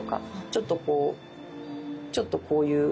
ちょっとこうちょっとこういう。